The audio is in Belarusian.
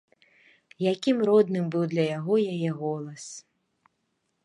Якім родным быў для яго яе голас!